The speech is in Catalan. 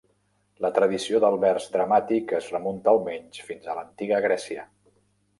La tradició del vers dramàtic es remunta almenys fins a l'Antiga Grècia.